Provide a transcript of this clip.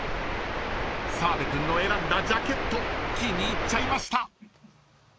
［澤部君の選んだジャケット気に入っちゃいました］